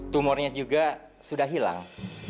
tumornya juga sudah hilang